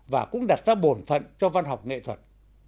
và cũng đặt ra bổn phận cho văn học nghệ thuật